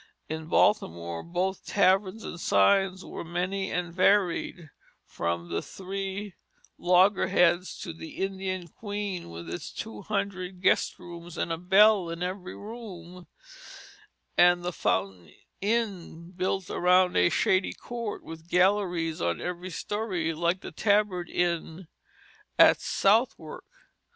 In Baltimore both taverns and signs were many and varied, from the Three Loggerheads to the Indian Queen with its "two hundred guest rooms with a bell in every room," and the Fountain Inn built around a shady court, with galleries on every story, like the Tabard Inn at Southwark.